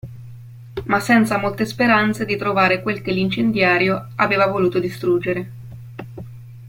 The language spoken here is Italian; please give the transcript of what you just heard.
Ma senza molte speranze di trovare quel che l'incendiario aveva voluto distruggere.